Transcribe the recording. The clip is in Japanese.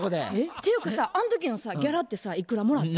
ていうかさあの時のギャラってさいくらもらった？